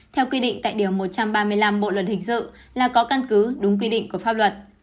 theo quy định tại điều một trăm ba mươi năm bộ luật hình sự là có căn cứ đúng quy định của pháp luật